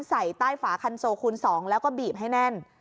ใส่ใต้ฝาคันโซคูณ๒แล้วก็บีบให้แน่น